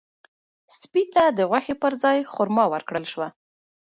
سپي ته د غوښې پر ځای خورما ورکړل شوه.